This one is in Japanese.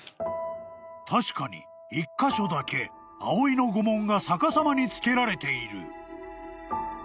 ［確かに１カ所だけ葵の御紋が逆さまにつけられている］